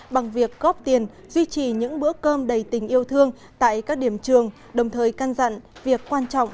bằng việc góp tiền duy trì những bữa cơm đầy tình yêu thương tại các điểm trường đồng thời can dặn việc quan trọng